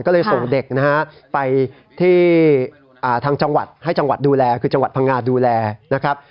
ก็เลยส่งเด็กนะฮะไปที่ทางจังหวัดให้จังหวัดดูแลคือจังหวัดพังงาดูแลนะครับ